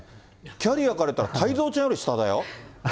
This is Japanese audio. キャリアからいったら、太蔵ちゃんより下だよ。